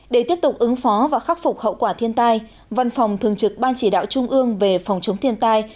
để tiếp tục ứng phó và khắc phục hậu quả thiên tai văn phòng thường trực ban chỉ đạo trung ương về phòng chống thiên tai